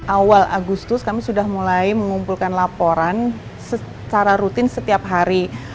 awal agustus kami sudah mulai mengumpulkan laporan secara rutin setiap hari